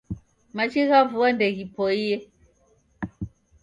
Machi gha vua ndeghipoie